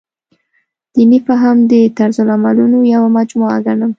دیني فهم د طرزالعملونو یوه مجموعه ګڼم.